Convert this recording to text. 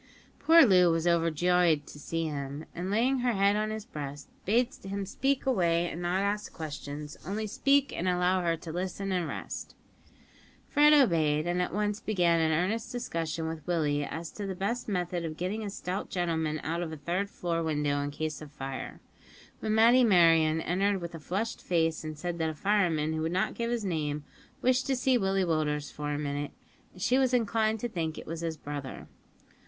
Poor Loo was overjoyed to see him, and laying her head on his breast, bade him speak away and not ask questions; only speak, and allow her to listen and rest. Fred obeyed, and at once began an earnest discussion with Willie as to the best method of getting a stout gentleman out of a third floor window in case of fire, when Matty Merryon entered with a flushed face and said that a fireman who would not give his name wished to see Willie Willders for a minute; and she was inclined to think it was his brother.